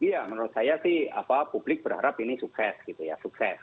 ya menurut saya sih publik berharap ini sukses